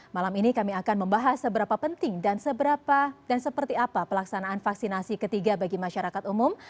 malam ini kami akan membahas seberapa penting dan seperti apa pelaksanaan vaksinasi ketiga bagi masyarakat umum